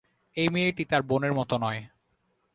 এই মেয়েটি তার বোনের মতো নয়।